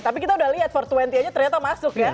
tapi kita udah lihat empat dua puluh aja ternyata masuk ya